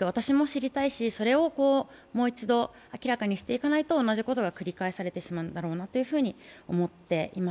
私も知りたいし、それをもう一度明らかにしていかないと同じことが繰り返されてしまうんだろうなっていうふうに思っています。